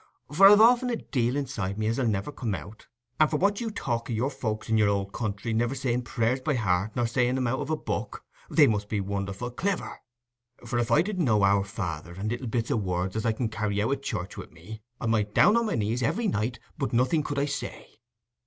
For I've often a deal inside me as'll never come out; and for what you talk o' your folks in your old country niver saying prayers by heart nor saying 'em out of a book, they must be wonderful cliver; for if I didn't know "Our Father", and little bits o' good words as I can carry out o' church wi' me, I might down o' my knees every night, but nothing could I say."